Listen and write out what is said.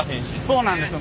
そうなんですよ